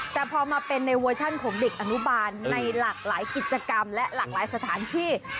แต่พอมาเป็นในเวอร์ชันของเด็กอนุบาลในหลากหลายกิจกรรมและหลากหลายสถานที่